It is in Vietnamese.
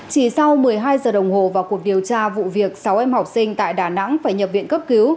chỉ sau một mươi hai giờ đồng hồ vào cuộc điều tra vụ việc sáu em học sinh tại đà nẵng phải nhập viện cấp cứu